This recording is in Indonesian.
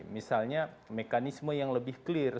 misalnya mekanisme yang lebih clear